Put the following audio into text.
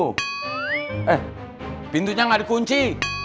eh pintunya ga ada kunci